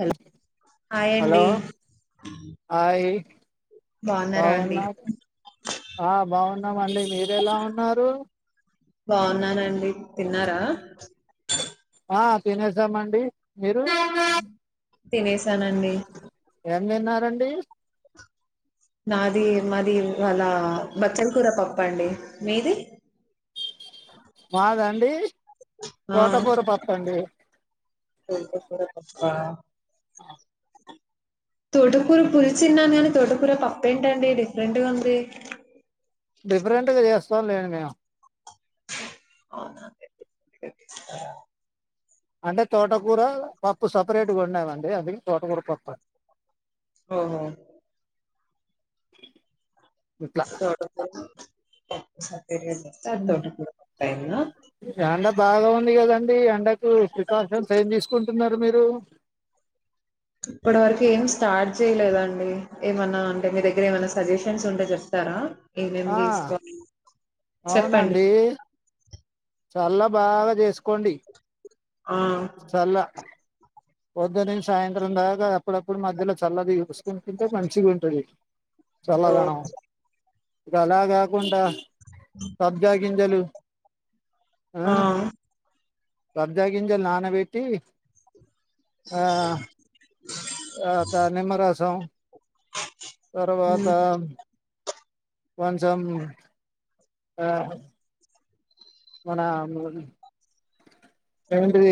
Hello hi hello అండి hi బాగున్నారా అండి బాగున్నారు ఆ బాగున్నాం అండి మీరెలా ఉన్నారు బాగున్నానండి తిన్నారా ఆ తినేసామండి మీరు తినేసానండి ఎం తిన్నారండి నాది మాది ఇవాళ బచ్చల కూర పప్పండి. మీది మాదండి ఆ తోటకూర పప్పండి [inaudible] ఆ [inaudible] తోటకూర పులుసు విన్నాను కాని తోటకూర పప్పేంటండి డిఫరెంట్గా ఉంది డిఫరెంట్గా చేస్తాం లేండి మేము అ [unintelligible] నా అంటే తోటకూర పప్పు సపరేట్గా వండామండి అది తోటకూర పప్పు అండి ఆహా ఇట్లా చడ స [unintelligible] స [unintelligible] సదు సార్ ఉమ్. తోట [unintelligible] ఎండ బాగా ఉంది కదండి ఎండకు ఈ ప్రికాషన్స్ ఏం తీసుకుంటున్నారు మీరు ఇప్పటి వరకు ఏం స్టార్ట్ చేయలేదండి ఏమన్నా అంటే మీ దగ్గర ఏమైన్న సజెషన్స్ ఉంటే చెప్తారా ఏమేమి ఆ తీసుకోవాలి చెప్పండి. అవునండి చల్ల బాగా చేసుకోండి ఆ పొద్దు నుంచి సాయంత్రం దాకా అప్పుడప్పుడు మధ్యలో చల్లది చూసుకుని తింటే మంచిగుంటది ఓహ్! చలదనం ఇక అలా కాకుండా సబ్జా గిం గింజలు ఆ సబ్జగింజలు నా న బేట్టి ఆ ఆ త నిమ్మ రసం. తర్వాత కొంచమ్, ఆ మన మున్ ఏంటిది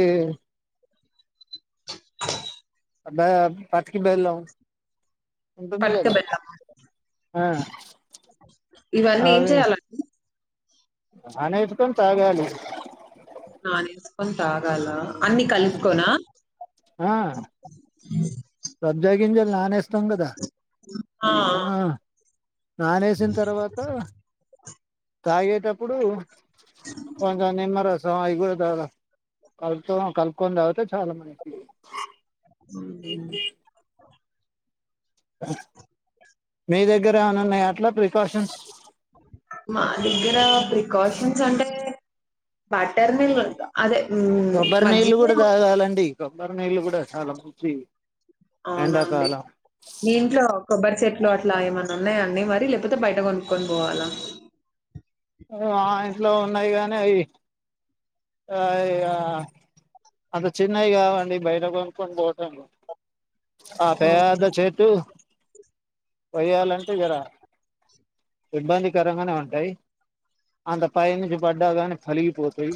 అబ్బే పట్టికి బెల్లం. ఉంటుంది కదా పట్టబెడ్దమ, ఆ ఇవన్నీ ఏం చెయాలంని అనేత్ కొని తాగాలి. నాన్ ఎస్కొన్ తాగలా అన్ని కల్పికోనా అ సబ్జగింజలు నానేస్ తం కదా, ఆ నానేేసిన తర్వాత తాగేటప్పుడు కొంజం నిమ్మరస్ చొ అయి కూడా దాద, కల్పుతొనో కల్పుకొన్ తావుతే చాలా మంచి ఇ హుహు. మీ దగ్గర ఏమన ఉన్నాయా అట్ల ప్రికాషన్స్ మా దగ్గర ప్రికాషన్స్ అంటే, బట్టర్ మీల్లొద్ద అదే హ్మ్. కొబ్బరి నీళ్లు మజ్జిగే కూడా ఉంది. తాగాలండి కొ బ్బరినీళ్ళు కూడా చాలా మంచివి. అవునా అండి ఎండాకాలం మీ ఇంట్లో కొబ్బరి చెట్ ట్లో అట్ల ఏమన్నా ఉన్నాయ అండి మరి లేపోతే బయట కొనుక్కొని పోవాలా. ఆ ఇంట్లో ఉన్నాయి కాని అవి ఏ ఇగ, అవి చిన్నయి కావండి బయట కొనుక్కొని బోటంగు ఆ పేధ అవునా! చె ట్టు వయ్యాలంటే ఇగడ, ఇబ్బందికరంగానే ఉంటయి, అంత పై నుంచి పడ్డాగాని పలిగిపోతయి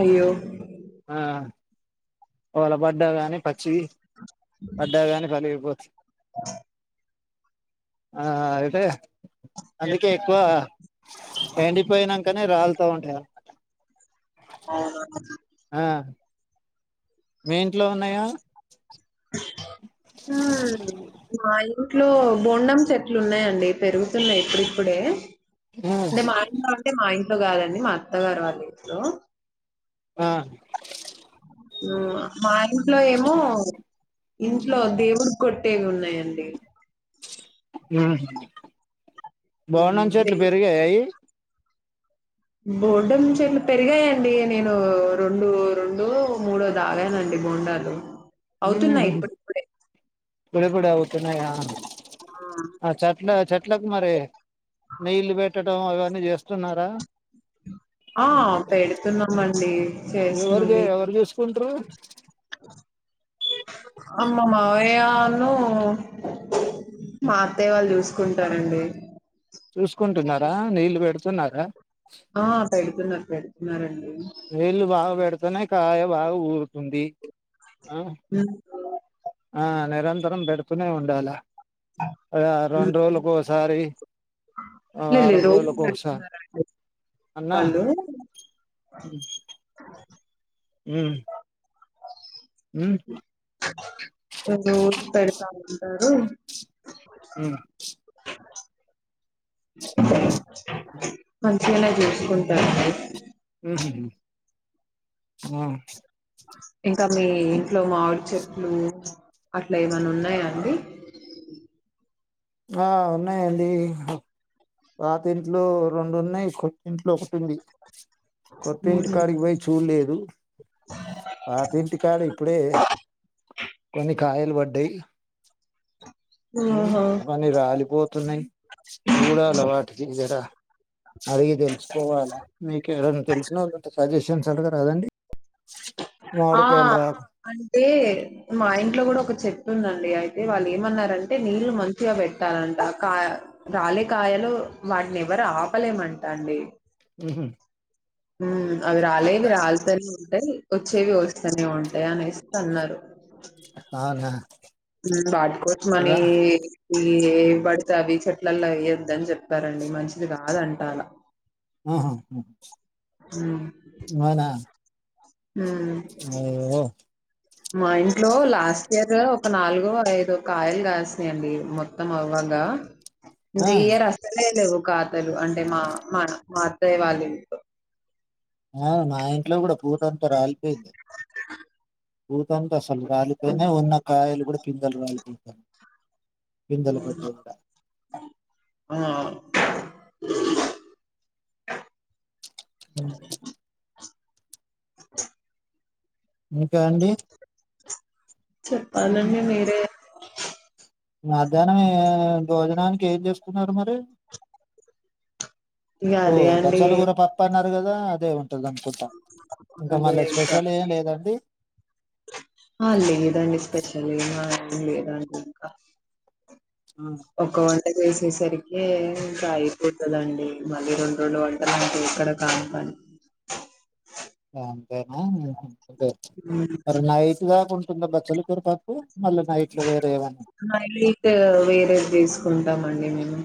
అయ్యో వాలబడ్డ గాని పచ్చియి పడ్డ గాని ఫలియిపో ఆ ఆ అయితే అందుకే ఎక్కువ, ఎండిపోయినంకనే రాల్త ఉంటాయ [inaudible] అ మీ ఇంట్లో ఉన్నయా హ్మ్ అయ్ ఇట్లో బోండం చెట్లు ఉన్నాయండి పెరుగుతున్నాయి ఇప్పుడిప్పుడే అంటే మాయ తతే మాయ ఇడు కాదండి మా అత్తగారు వాళ్ళు ఇట్లో ఆ ఉ మా ఇంట్లో ఏమో ఇంట్లో దేవుడు కొట్టేవి ఉన్నాయండి హ్మ్ బొండం హ్మ్. చెట్లు దేవు పెరిగాయ అయి బోండం చెట్లు పెరిగాయండి నేను రెండు రెండు మూడో తాగానండి బోండాలు అవుతున్నాయి ఇప్పుడుప్పుడే ఇప్పుడిప్పుడు అవుతున్నాయ ఆ చట్ల చెట్లకు మరి నీళ్లు బెట ఆ అవన్నీ చేస్తున్నారా ఆ పెడుతున్నామండి ఎవరిది ఎవరు చూసుకుంటారు అమ్మ మావయ్య వాళ్లు మాత్తయ్య వాళ్ళు చూసుకుంటారండి చూసుకుంటున్నారా నీళ్లు పెడుతున్నారా ఆ పెడుతున్నారు పెడు మరే నీళ్లు బాగా బెడు అయితనే కాయ బాగా ఊరుతుంది ఆ హ్మ్ ఆ నిరంతరం పెడుతునే ఉండాల అదే రెండు రోజులకొసారి లే లే రోజు పెడుతున్నారు అన్నా వాళ్లు హ్మ్ రోజు పెడతా ఉంటారు ఉమ్ మంచిగానే చూసుకుంటారు ఉ ఆ ఇంకా మీ ఇంట్లో మావిడి చెట్లు అట్లా ఏమన్న ఉన్నాయా అండి ఆ ఉన్నాయండి పాతింట్లో రెండు ఉన్నాయి కొత్త ఇంట్లో ఒకటి ఉంది కొత్త ఇంటికాటికి పోయి చూడలేదు పాత ఇంటి కాడ ఇప్పుడే కొన్ని కాయల్ పడ్డాయి ఓహొ అన్ని రాలిపోతున్నాయి. చూడాలే వాటికి జరా అడిగి తెలుసుకోవాలా మీకు ఎవరన్న తెలిసినోళ్ళు ఉంటె చెప్పు రాజేషయన్స్ అంటారు గాదా అదండీ ఆ అంటే మా ఇంట్లో కూడా ఒక చెట్టు ఉందండి. అయితే వాళ్ళు ఏమన్నారంటే నీళ్లు మంచిగా పెట్టాలంట కా రాలే కాయలు వాటిని ఎవరు ఆపలేమంట అండి. ఉహ్ హ్ అవి రాలేవి రాల్తానే ఉంటాయి. వచ్చేవి వస్తనే ఉంటాయి. అనేసి అన్నారు అవునా వాట్కోసమని రా ఇగా ఏవి పడితే అవి చెట్లల్ల వేయ్యద్దని చెప్పారండి మంచిది కాదంట ఆలా ఆ హ్ అవునా హ్ ఓ మా ఇంట్లో లాస్ట్ ఇయర్ ఒక నాలుగో ఐదొ కాయలు కాసినై యండి మొత్తం అవ్వగా ఆ ఇంకా ఈ ఇయర్ ఆస్తనేలేవు కాతలు అంటే మా మా మా అత్తయ్య వాళ్ళ ఇంట్లో ఆ నా ఇంట్లో కూడా పూతంత రాలి పోయింది. పూతంత అసలు రాలిపోయింది ఉన్న కాయలు కూడా పిందలు రాలిపోతన్నాయి. పిందలు పడ్డయి. కూడా ఆ అఓే ఇంకా అండి చెప్పాలండి మీరే మాధ్యానమే భోజనానికి కి ఏం చేసుకున్నారు. మరి ఇగ ఓ అదే బచ్చలు కూర పప్పు అన్నరు. అదే గాదా అదే ఉం అదేకా స్పెషల్ ఏం లేదండి అ లేేదాండి స్పెషలీ అదకా ఒక సరికి ఏకాయి తుదండి మళ్ళీ రెండు రెండు వంటలు ఉంటే ఇక్కడ కానుపానీ అంతేనా మరి హ్మ్. నైట్ దాకా ఉంటుంద బచ్చల పరపప్పు మళ్ళీ నైట్ లో వేరే ఏవన్నా మరి నేను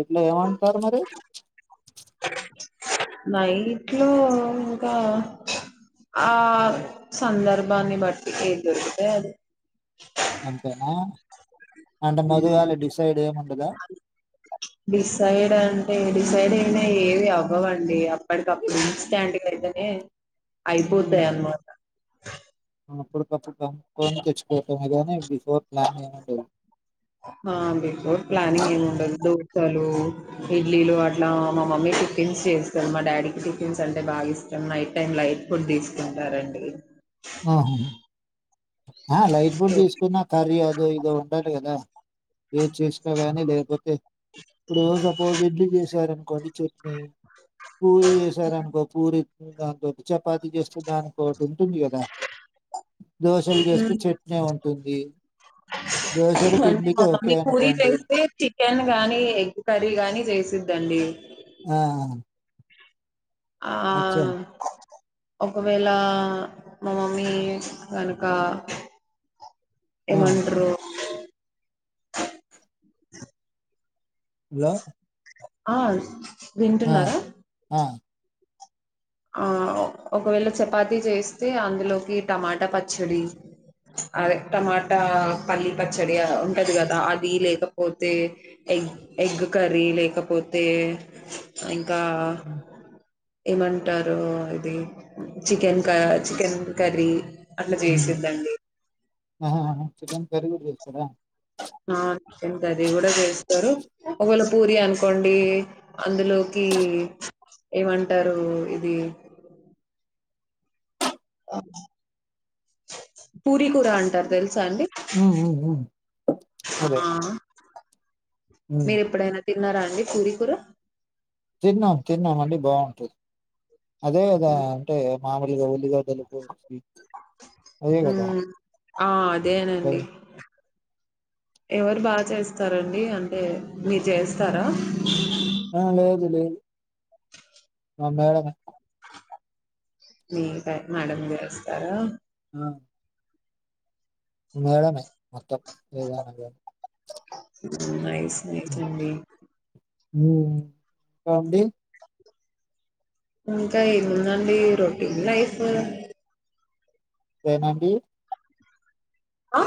ఇట్లే ఏం అంటారు మరి నైట్ లో ఇంకా ఆ సందర్భాన్ని బట్టి ఏది దొరుకుతాయి అది అంతేనా అంటే మధుగాలి డిసైడ్ ఏముండదా డిసైడ్ అంటే డిసైడ్ అయినా ఏవి అవ్వవండి అప్పటికప్పుడు ఇన్స్టెడ్ అయితేనే అయిపోతాయి అన్నమాట ప్పుడు కొని తెచ్చుకోవటమే కాని బిఫోర్ ప్లాన్ అే ఆ బిఫోర్ ప్లనింగ్ ఏ ఉండ అసలు ఇడ్లీలు అట్లా మా మమ్మీ టిఫిన్స్ చేస్తారు మా డాడీకి టిఫిన్స్ అంటే బాగా ఇష్టం నైట్ టైమ్ లైట్ ఫుడ్ తీసుకుంటారండి ఆహా ఆ లైట్ ఫుడ్ సో తీసుకున్న కర్రీ అద ఇద ఉండాలి కదా ఏది చేసిన కానీ లేకపోతే ఇప్పుడు సపోజ్ ఇడ్లీ చేశారు అనుకో గడి చట్నీ పూరి చేసార అనుకో పూరి దాని ద చపాతి చేస్తే దానికికో ఒకటి ఉంటుంది కదా చట్నీ ఉంటుంది. దోసలకి, అంటే ఇడ్లీకి మా ఓకే మమ్మీ పూరీ అనుకోండి. చేస్తే చికెన్ గానీ ఎగ్ కర్రీ గానీ చేసిద్దండి ఆ ఆ అచ్చా! ఒకవేళ మా మమ్మీ కనుక ఆ! ఏమంటరు ఎలా ఆ వింటున్నారా ఆ! ఆ ఒకవేళ చపాతి చేస్తే అందులోకి టమాటా పచ్చడి అదే టమాటా పల్లీ పచ్చడి ఉంటది కదా అది లేకపోతే ఎగ్ ఎగ్ కర్రీ లేకపోతే కా హ్మ్. ఇ టారు ఇది చికెన్ క చికెన్ కర్రీ అట్లా హ్మ్. చేసిందండి చికెన్ కర్రీ కూడా చేస్తారా ఆ చికెన్ కర్రీ కూడా చేస్తారు ఒకవేళ పూరి అనుకోండి అందులోకి ఏమంటారు ఇది పూరి కూర అంటారు తెలుసా అండి హ్మ్. హ్మ్. హ్మ్. అదే. హ్మ్. మీర్ ఎప్పుడైనా తిన్నారా అండి పూరీ కూర తిన్నాం తిన్నాం అండి బాగుంటది అదే గదా అంటే మామిడ్ ఇగ ఉల్లిగడ్డలు కోసి అదే కదా మ్మ్ ఆ ఓకే. అదేనండి ఎవరు బాగా చేస్తారంండి అంటే మీరు చేస్తారా ఆ లేదలే మా మేడం మీ మేడం చేస్తారా ఆ మేడంమే అత్త ఏగానగ ఉన్నాయి సేచ్ చండి మ్మ్ కామ్ డి ఇంకా ఏముందండి రొటీన్ లైఫ్ ఏమండి ఆ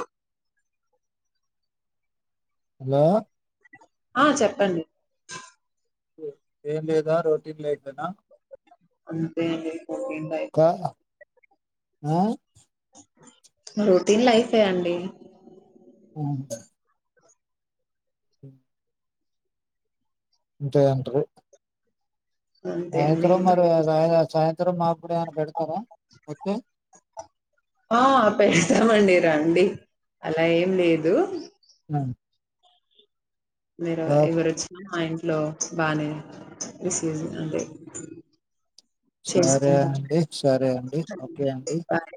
హలో ఆ చెప్పండి ఏం లేదా రోటీన్ లైఫ్ ఏనా అంతే అండి ఏం ంటయి కా ఆ రొటీన్ లైఫే అండి అ హ అంతే అన్ట్రు అంతే అండి సాయంత్రై ఇంకా మరి సా సాయం త్రం మాపుడు ఆ పెతామండి అండి అలా ఏం లేదు అ మీరు ఎవరు ఒచ్చినా మా ఇం లో బానే విసీస్ అంటే సరే చేసుకుంటాం అండి సరే అండి ఓకే అండి బాయ్